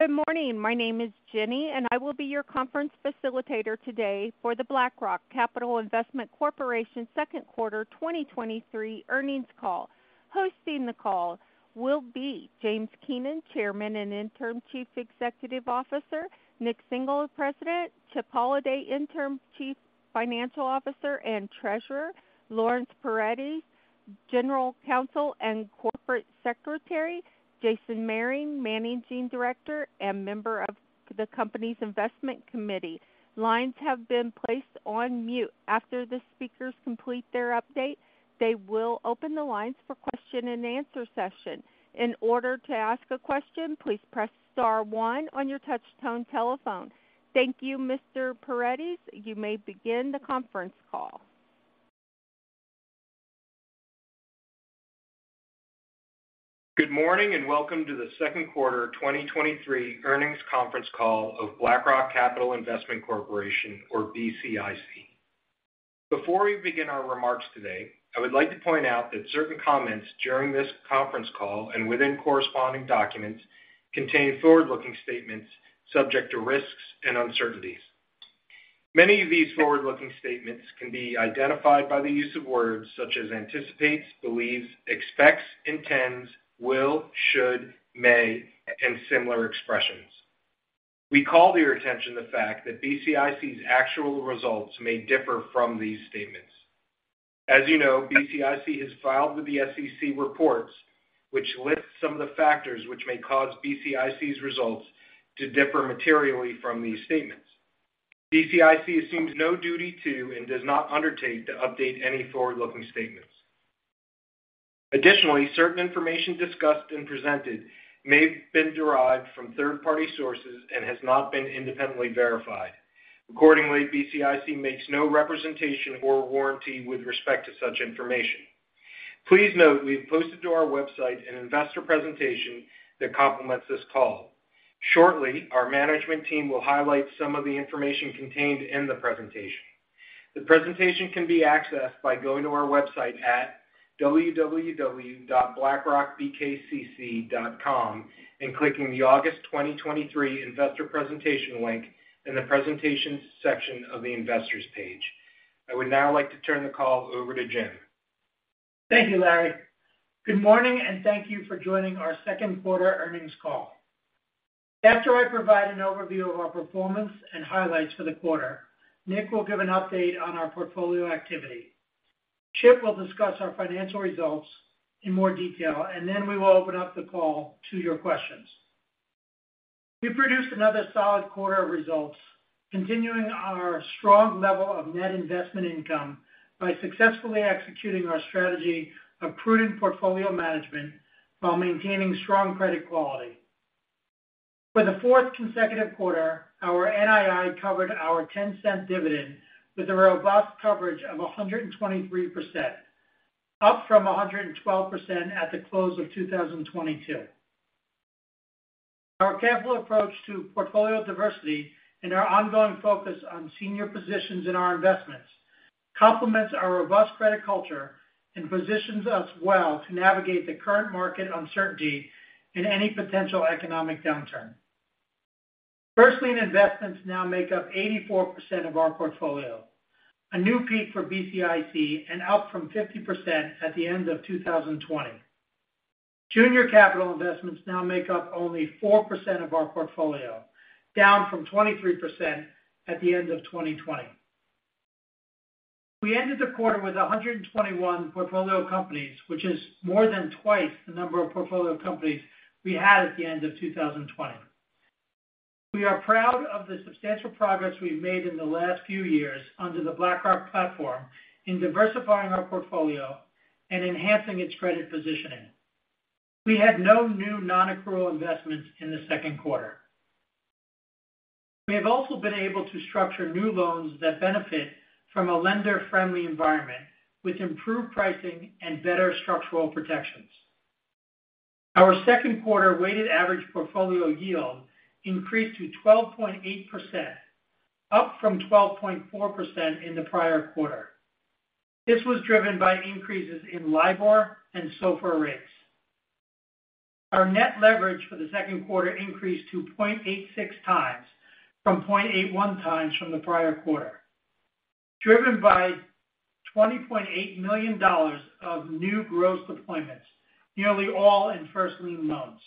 Good morning. My name is Jenny, and I will be your conference facilitator today for the BlackRock Capital Investment Corporation Second Quarter 2023 Earnings Call. Hosting the call will be James Keenan, Chairman and Interim Chief Executive Officer, Nik Singhal, President, Chip Holladay, Interim Chief Financial Officer and Treasurer, Laurence Paredes, General Counsel and Corporate Secretary, Jason Mehring, Managing Director and member of the company's Investment Committee. Lines have been placed on mute. After the speakers complete their update, they will open the lines for question and answer session. In order to ask a question, please press star one on your touchtone telephone. Thank you, Mr. Paredes. You may begin the conference call. Good morning, welcome to the Second Quarter 2023 Earnings Conference call of BlackRock Capital Investment Corporation, or BCIC. Before we begin our remarks today, I would like to point out that certain comments during this conference call and within corresponding documents contain forward-looking statements subject to risks and uncertainties. Many of these forward-looking statements can be identified by the use of words such as anticipates, believes, expects, intends, will, should, may, and similar expressions. We call to your attention the fact that BCIC's actual results may differ from these statements. As you know, BCIC has filed with the SEC reports, which list some of the factors which may cause BCIC's results to differ materially from these statements. BCIC assumes no duty to and does not undertake to update any forward-looking statements. Additionally, certain information discussed and presented may have been derived from third-party sources and has not been independently verified. Accordingly, BCIC makes no representation or warranty with respect to such information. Please note we've posted to our website an investor presentation that complements this call. Shortly, our management team will highlight some of the information contained in the presentation. The presentation can be accessed by going to our website at www.blackrockbkcc.com and clicking the August 2023 investor presentation link in the presentation section of the investors page. I would now like to turn the call over to Jim. Thank you, Larry. Good morning, thank you for joining our Second Quarter Earnings Call. After I provide an overview of our performance and highlights for the quarter, Nik will give an update on our portfolio activity. Chip will discuss our financial results in more detail, then we will open up the call to your questions. We produced another solid quarter of results, continuing our strong level of net investment income by successfully executing our strategy of prudent portfolio management while maintaining strong credit quality. For the fourth consecutive quarter, our NII covered our $0.10 dividend with a robust coverage of 123%, up from 112% at the close of 2022. Our careful approach to portfolio diversity and our ongoing focus on senior positions in our investments complements our robust credit culture and positions us well to navigate the current market uncertainty in any potential economic downturn. First lien investments now make up 84% of our portfolio, a new peak for BCIC and up from 50% at the end of 2020. Junior capital investments now make up only 4% of our portfolio, down from 23% at the end of 2020. We ended the quarter with 121 portfolio companies, which is more than twice the number of portfolio companies we had at the end of 2020. We are proud of the substantial progress we've made in the last few years under the BlackRock platform in diversifying our portfolio and enhancing its credit positioning. We had no new non-accrual investments in the second quarter. We have also been able to structure new loans that benefit from a lender-friendly environment with improved pricing and better structural protections. Our second quarter weighted average portfolio yield increased to 12.8%, up from 12.4% in the prior quarter. This was driven by increases in LIBOR and SOFR rates. Our net leverage for the second quarter increased to 0.86x from 0.81x from the prior quarter, driven by $20.8 million of new gross deployments, nearly all in first lien loans.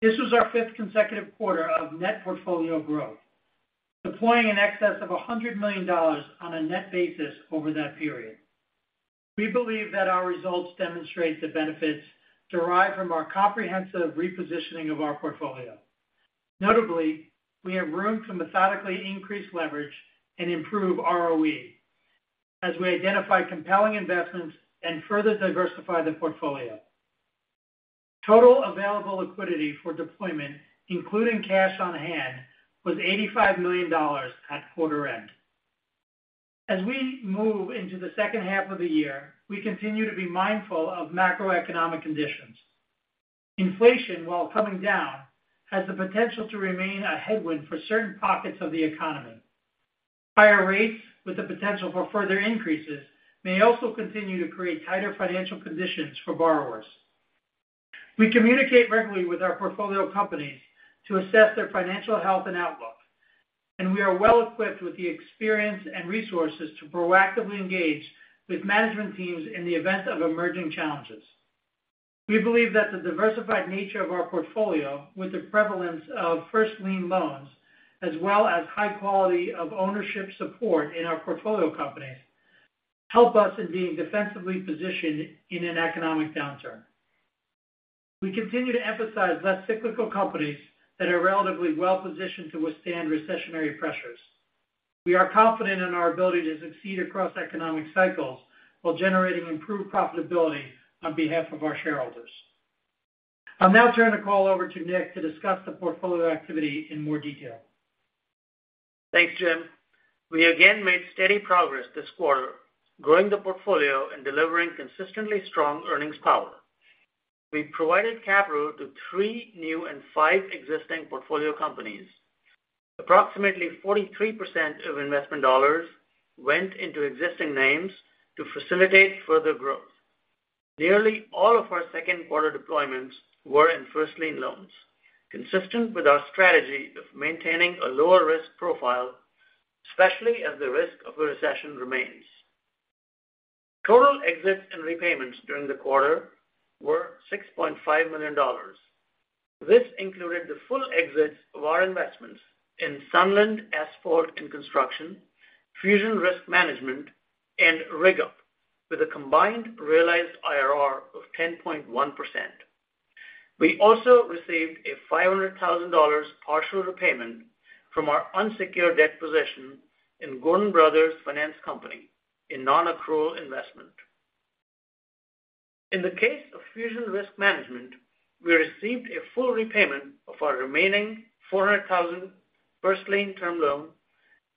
This was our fifth consecutive quarter of net portfolio growth, deploying in excess of $100 million on a net basis over that period. We believe that our results demonstrate the benefits derived from our comprehensive repositioning of our portfolio. Notably, we have room to methodically increase leverage and improve ROE as we identify compelling investments and further diversify the portfolio. Total available liquidity for deployment, including cash on hand, was $85 million at quarter end. As we move into the second half of the year, we continue to be mindful of macroeconomic conditions. Inflation, while coming down, has the potential to remain a headwind for certain pockets of the economy. Higher rates, with the potential for further increases, may also continue to create tighter financial conditions for borrowers. We communicate regularly with our portfolio companies to assess their financial health and outlook, and we are well-equipped with the experience and resources to proactively engage with management teams in the event of emerging challenges. We believe that the diversified nature of our portfolio, with the prevalence of first lien loans, as well as high quality of ownership support in our portfolio companies, help us in being defensively positioned in an economic downturn. We continue to emphasize less cyclical companies that are relatively well-positioned to withstand recessionary pressures. We are confident in our ability to succeed across economic cycles while generating improved profitability on behalf of our shareholders. I'll now turn the call over to Nik to discuss the portfolio activity in more detail. Thanks, Jim. We again made steady progress this quarter, growing the portfolio and delivering consistently strong earnings power. We provided capital to three new and five existing portfolio companies. Approximately 43% of investment dollars went into existing names to facilitate further growth. Nearly all of our second quarter deployments were in first lien loans, consistent with our strategy of maintaining a lower risk profile, especially as the risk of a recession remains. Total exits and repayments during the quarter were $6.5 million. This included the full exits of our investments in Sunland Asphalt & Construction, Fusion Risk Management, and RigUp, with a combined realized IRR of 10.1%. We also received a $500,000 partial repayment from our unsecured debt position in Gordon Brothers Finance Company, a non-accrual investment. In the case of Fusion Risk Management, we received a full repayment of our remaining $400,000 first lien term loan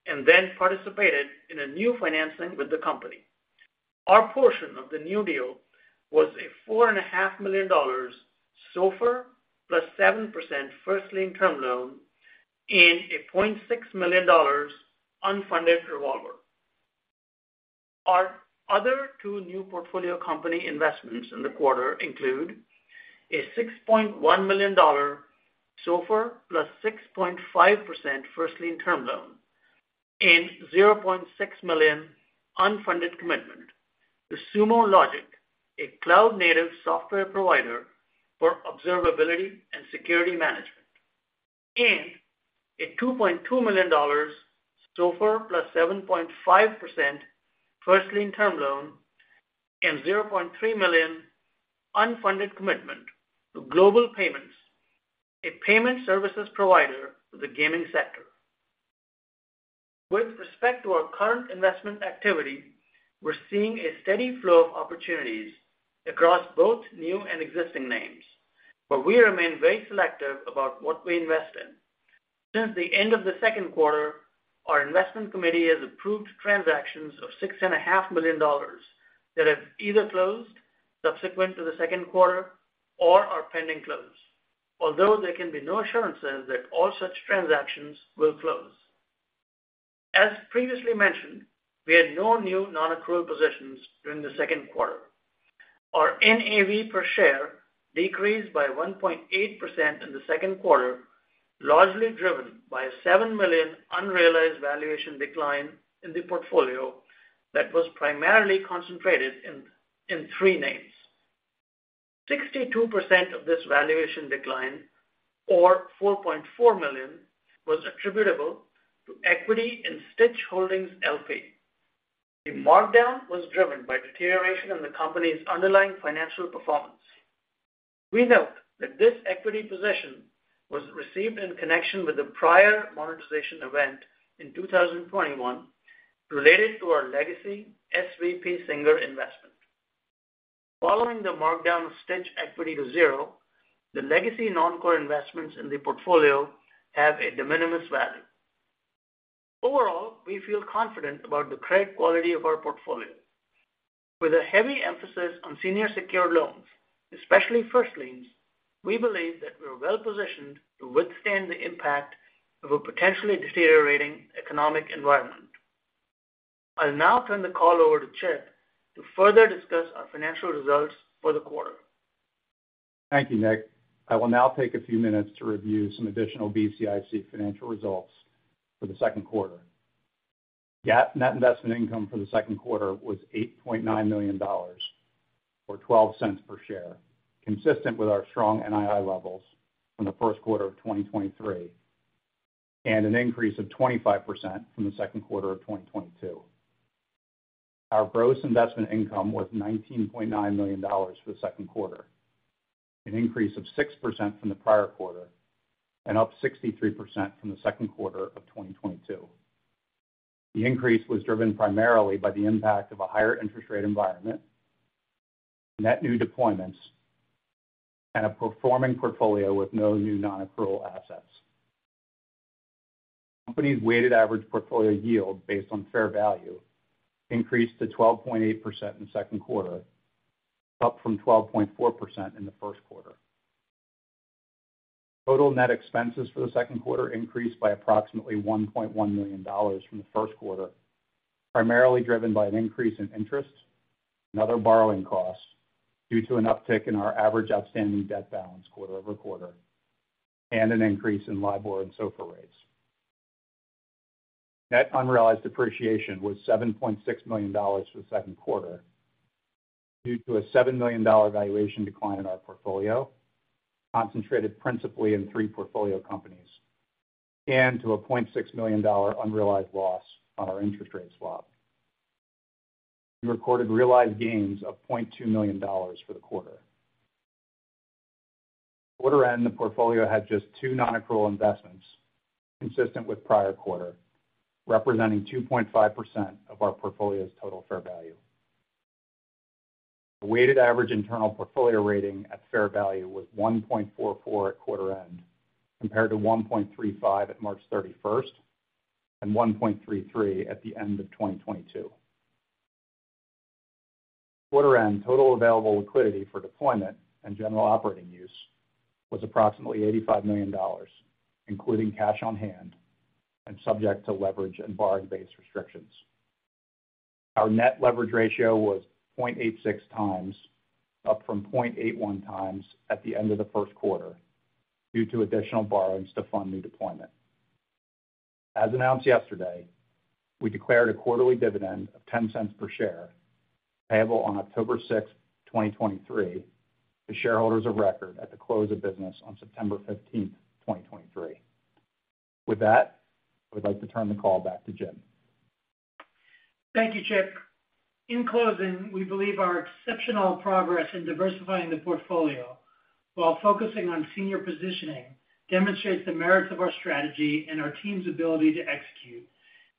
and then participated in a new financing with the company. Our portion of the new deal was a $4.5 million SOFR +7% first lien term loan and a $0.6 million unfunded revolver. Our other two new portfolio company investments in the quarter include a $6.1 million SOFR +6.5% first lien term loan and $0.6 million unfunded commitment to Sumo Logic, a cloud-native software provider for observability and security management, and a $2.2 million SOFR +7.5% first lien term loan and $0.3 million unfunded commitment to Global Payments, a payment services provider to the gaming sector. With respect to our current investment activity, we're seeing a steady flow of opportunities across both new and existing names, but we remain very selective about what we invest in. Since the end of the second quarter, our investment committee has approved transactions of $6.5 million that have either closed subsequent to the second quarter or are pending close, although there can be no assurances that all such transactions will close. As previously mentioned, we had no new non-accrual positions during the second quarter. Our NAV per share decreased by 1.8% in the second quarter, largely driven by a $7 million unrealized valuation decline in the portfolio that was primarily concentrated in three names. 62% of this valuation decline, or $4.4 million, was attributable to equity in Stitch Holdings LP. The markdown was driven by deterioration in the company's underlying financial performance. We note that this equity position was received in connection with a prior monetization event in 2021 related to our legacy SVP Worldwide investment. Following the markdown of Stitch equity to zero, the legacy non-core investments in the portfolio have a de minimis value. Overall, we feel confident about the credit quality of our portfolio. With a heavy emphasis on senior secured loans, especially first liens, we believe that we're well positioned to withstand the impact of a potentially deteriorating economic environment. I'll now turn the call over to Chip to further discuss our financial results for the quarter. Thank you, Nik. I will now take a few minutes to review some additional BCIC financial results for the second quarter. GAAP net investment income for the second quarter was $8.9 million, or $0.12 per share, consistent with our strong NII levels from the first quarter of 2023, and an increase of 25% from the second quarter of 2022. Our gross investment income was $19.9 million for the second quarter, an increase of 6% from the prior quarter and up 63% from the second quarter of 2022. The increase was driven primarily by the impact of a higher interest rate environment, net new deployments, and a performing portfolio with no new non-accrual assets. Company's weighted average portfolio yield based on fair value increased to 12.8% in the second quarter, up from 12.4% in the first quarter. Total net expenses for the second quarter increased by approximately $1.1 million from the first quarter, primarily driven by an increase in interest and other borrowing costs due to an uptick in our average outstanding debt balance quarter-over-quarter and an increase in LIBOR and SOFR rates. Net unrealized depreciation was $7.6 million for the second quarter, due to a $7 million valuation decline in our portfolio, concentrated principally in three portfolio companies, and to a $0.6 million unrealized loss on our interest rate swap. We recorded realized gains of $0.2 million for the quarter. Quarter end, the portfolio had just 2 non-accrual investments, consistent with prior quarter, representing 2.5% of our portfolio's total fair value. The weighted average internal portfolio rating at fair value was 1.44 at quarter end, compared to 1.35 at March 31st, and 1.33 at the end of 2022. Quarter end, total available liquidity for deployment and general operating use was approximately $85 million, including cash on hand and subject to leverage and borrowing base restrictions. Our net leverage ratio was 0.86x, up from 0.81x at the end of the first quarter, due to additional borrowings to fund new deployment. As announced yesterday, we declared a quarterly dividend of $0.10 per share, payable on October 6th, 2023, to shareholders of record at the close of business on September 15th, 2023. With that, I would like to turn the call back to Jim. Thank you, Chip. In closing, we believe our exceptional progress in diversifying the portfolio while focusing on senior positioning, demonstrates the merits of our strategy and our team's ability to execute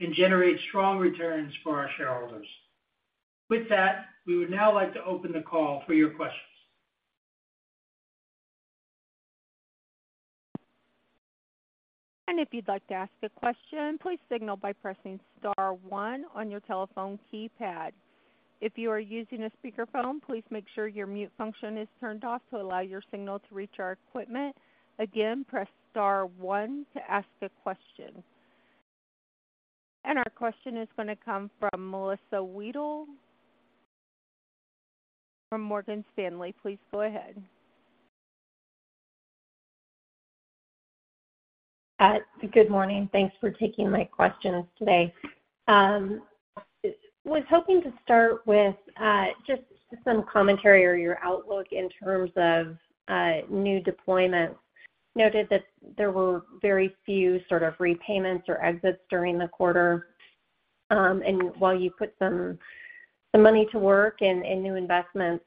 and generate strong returns for our shareholders. With that, we would now like to open the call for your questions. If you'd like to ask a question, please signal by pressing star one on your telephone keypad. If you are using a speakerphone, please make sure your mute function is turned off to allow your signal to reach our equipment. Again, press star one to ask a question. Our question is going to come from Melissa Wedel from J.P. Morgan. Please go ahead. Good morning. Thanks for taking my questions today. Was hoping to start with just some commentary or your outlook in terms of new deployments. Noted that there were very few sort of repayments or exits during the quarter. While you put some, some money to work in new investments,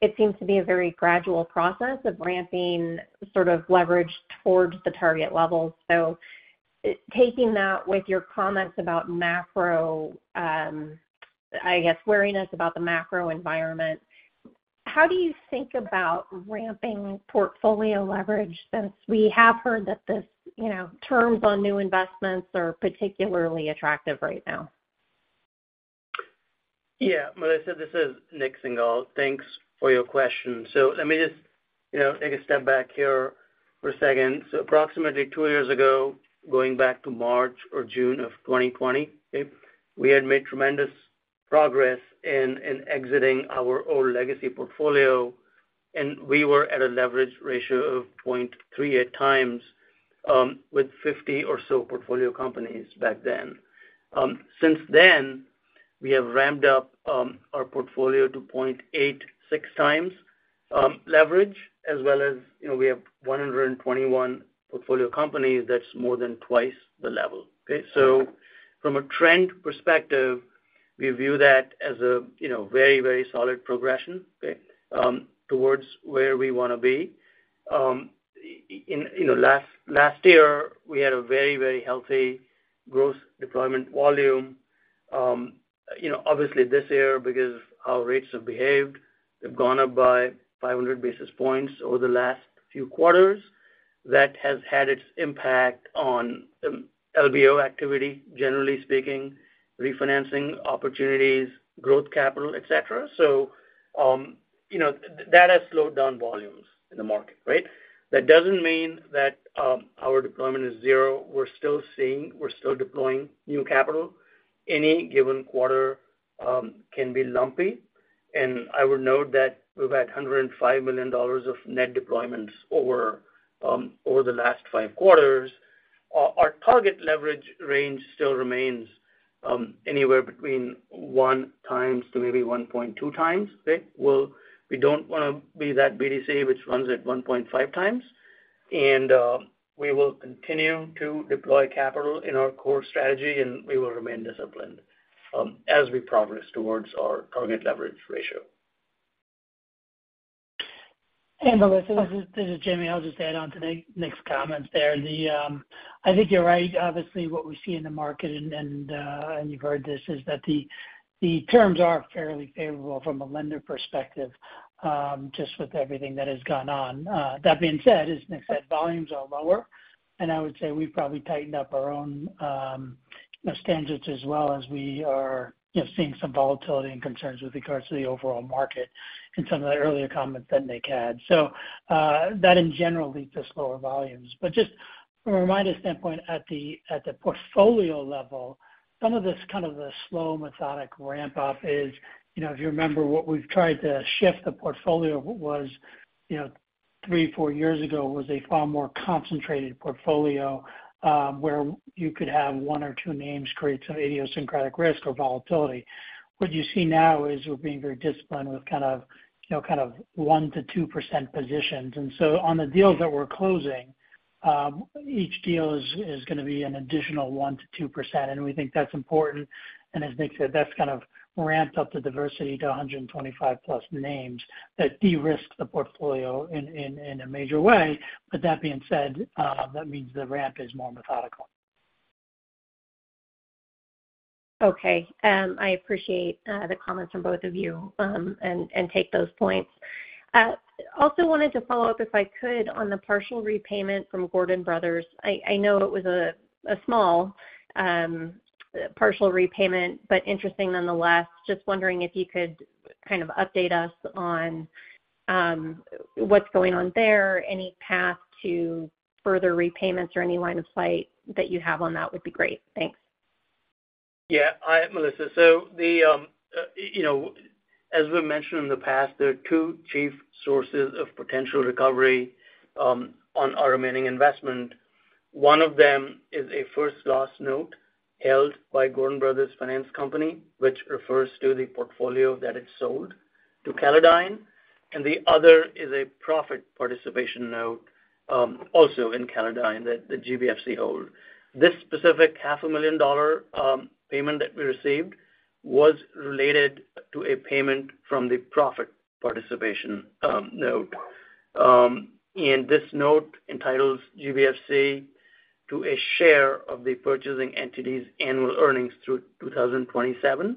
it seems to be a very gradual process of ramping sort of leverage towards the target level. Taking that with your comments about macro wariness about the macro environment, how do you think about ramping portfolio leverage since we have heard that this terms on new investments are particularly attractive right now? Yeah, Melissa, this is Nik Singhal. Thanks for your question. Let me just, you know, take a step back here for a second. Approximately 2 years ago, going back to March or June of 2020, okay, we had made tremendous progress in, in exiting our old legacy portfolio, and we were at a leverage ratio of 0.3x, with 50 or so portfolio companies back then. Since then, we have ramped up our portfolio to 0.86x leverage, as well as, you know, we have 121 portfolio companies, that's more than 2x the level. From a trend perspective, we view that as a, you know, very, very solid progression, okay, towards where we want to be. In, you know, last year, we had a very, very healthy growth deployment volume. Obviously this year, because how rates have behaved, they've gone up by 500 basis points over the last few quarters. That has had its impact on LBO activity, generally speaking, refinancing opportunities, growth capital, et cetera. That has slowed down volumes in the market, right? That doesn't mean that our deployment is zero. We're still seeing, we're still deploying new capital. Any given quarter can be lumpy, and I would note that we've had $105 million of net deployments over the last five quarters. Our target leverage range still remains anywhere between 1x to maybe 1.2x, okay? Well, we don't want to be that BDC, which runs at 1.5x, and we will continue to deploy capital in our core strategy, and we will remain disciplined, as we progress towards our target leverage ratio. Melissa, this is, this is Jimmy. I'll just add on to Nik, Nik's comments there. The, I think you're right. Obviously, what we see in the market and, and you've heard this, is that the, the terms are fairly favorable from a lender perspective, just with everything that has gone on. That being said, as Nik said, volumes are lower, and I would say we've probably tightened up our own...... the standards as well as we are, you know, seeing some volatility and concerns with regards to the overall market in some of the earlier comments that Nick had. That in general leads to slower volumes. Just from a reminder standpoint, at the, at the portfolio level, some of this kind of the slow, methodic ramp up is, you know, if you remember what we've tried to shift the portfolio was, you know, 3, 4 years ago, was a far more concentrated portfolio, where you could have 1 or 2 names create some idiosyncratic risk or volatility. What you see now is we're being very disciplined with kind of, you know, kind of 1%-2% positions. On the deals that we're closing, each deal is, is gonna be an additional 1%-2%, and we think that's important. As Nik said, that's kind of ramped up the diversity to 125+ names that de-risk the portfolio in, in, in a major way. That being said, that means the ramp is more methodical. Okay. I appreciate the comments from both of you, and, and take those points. Also wanted to follow up, if I could, on the partial repayment from Gordon Brothers. I, I know it was a, a small, partial repayment, but interesting nonetheless. Just wondering if you could kind of update us on, what's going on there. Any path to further repayments or any line of sight that you have on that would be great. Thanks. Yeah. Hi, Melissa. The, you know, as we've mentioned in the past, there are two chief sources of potential recovery on our remaining investment. One of them is a first loss note held by Gordon Brothers Finance Company, which refers to the portfolio that it sold to Callodine, and the other is a profit participation note, also in Callodine that the GBFC hold. This specific $500,000 payment that we received was related to a payment from the profit participation note. This note entitles GBFC to a share of the purchasing entity's annual earnings through 2027.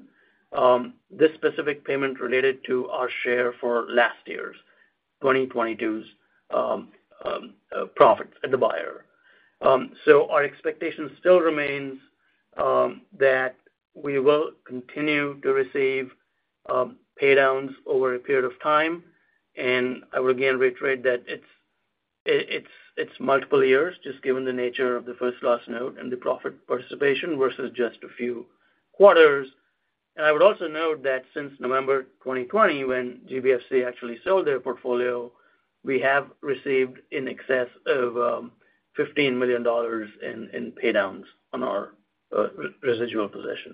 This specific payment related to our share for last year's, 2022's, profits at the buyer. Our expectation still remains that we will continue to receive paydowns over a period of time, and I will again reiterate that it's multiple years, just given the nature of the first loss note and the profit participation versus just a few quarters. I would also note that since November 2020, when GBFC actually sold their portfolio, we have received in excess of $15 million in paydowns on our residual position.